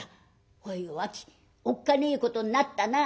おいお秋おっかねえことになったな」。